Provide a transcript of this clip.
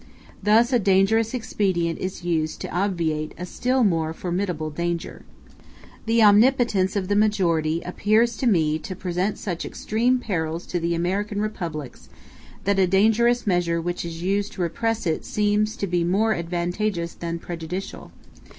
Thus a dangerous expedient is used to obviate a still more formidable danger. The omnipotence of the majority appears to me to present such extreme perils to the American Republics that the dangerous measure which is used to repress it seems to be more advantageous than prejudicial.